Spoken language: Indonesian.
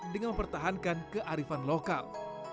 dengan mempertahankan kearifan lokal